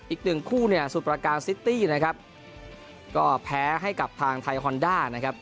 อีกหนึ่งคู่เนี่ยสุดประการซิตี้นะครับก็แพ้ให้กับทางไทยฮอนด้านะครับ